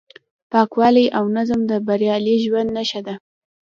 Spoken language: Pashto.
پاکوالی او نظم د بریالي ژوند نښه ده.